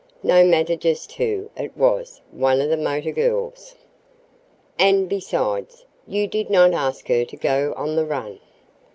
No matter just who, it was one of the motor girls. And, besides, you did not ask her to go on the run."